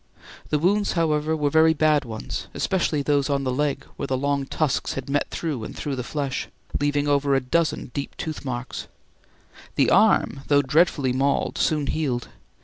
The wounds, however, were very bad ones, especially those on the leg where the long tusks had met through and through the flesh, leaving over a dozen deep tooth marks; the arm, though dreadfully mauled, soon healed.